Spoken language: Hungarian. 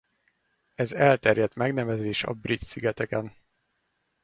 Ez elterjedt megnevezés a Brit-szigeteken.